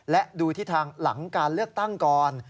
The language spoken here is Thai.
และดูทิศทางหลังการเลือกตั้งก่อน